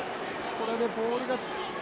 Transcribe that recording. これでボールが。